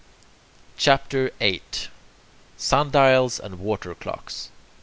CHAPTER VIII SUNDIALS AND WATER CLOCKS 1.